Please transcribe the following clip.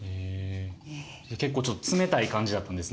結構冷たい感じだったんですね。